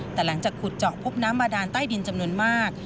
แต่หลังจากขุดเจาะพบน้ำบาดานใต้ดินจำนวนมาก